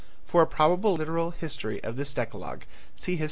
(For a probable literary history of this decalogue see _Hist.